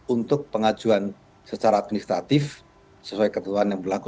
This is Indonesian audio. untuk pengajuan secara administratif sesuai ketentuan yang berlaku